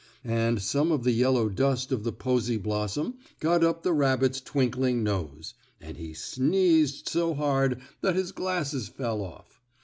And some of the yellow dust of the posy blossom got up the rabbit's twinkling nose, and he sneezed so hard that his glasses fell off.